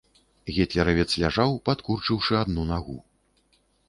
Гітлеравец ляжаў, падкурчыўшы адну нагу.